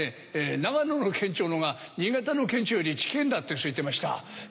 長野の県庁のほうが新潟の県庁より近ぇんだ」って言ってました。